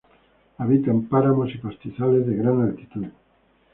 Habita en páramos y pastizales de gran altitud.